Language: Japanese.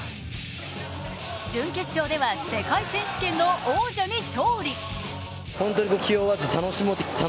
準決勝では世界選手権の王者に勝利。